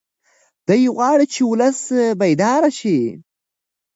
دی غواړي چې ولس بیدار شي.